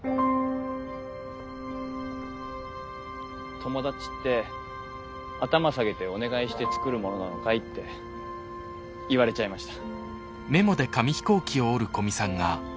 「友達って頭下げてお願いして作るものなのかい？」って言われちゃいました。